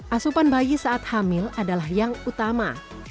asupan bayi saat hamil adalah yang utama